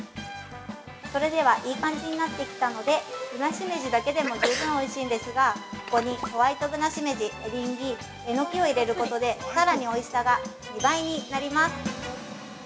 それでは、いい感じになってきたのでぶなしめじだけでも十分おいしいんですが、ここにホワイトぶなしめじ、エリンギ、えのきを入れることでさらに、おいしさが２倍になります。